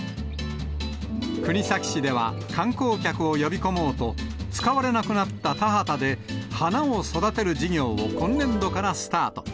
国東市では、観光客を呼び込もうと、使われなくなった田畑で花を育てる事業を今年度からスタート。